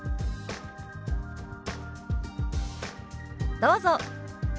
どうぞ。